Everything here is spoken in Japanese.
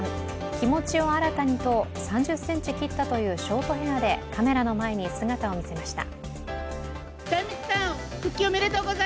気持ちを新たにと３０ｃｍ切ったというショートヘアでカメラの前に姿を見せました。